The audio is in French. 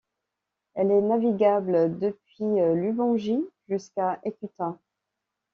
Elle est navigable depuis l’Ubangi jusqu’à Ekuta.